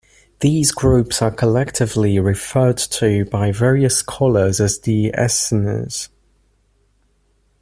These groups are collectively referred to by various scholars as the "Essenes".